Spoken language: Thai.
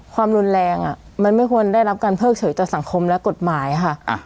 ความรุนแรงมันไม่ควรได้รับการเพิกเฉยต่อสังคมและกฎหมายค่ะ